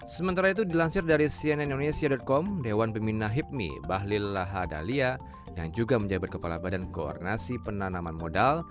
sementara itu dilansir dari cnn indonesia com dewan pembina hipmi bahlil lahadalia yang juga menjabat kepala badan koordinasi penanaman modal